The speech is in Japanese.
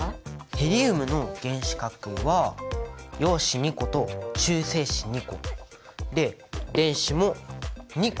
ヘリウムの原子核は陽子２個と中性子２個。で電子も２個回ってる。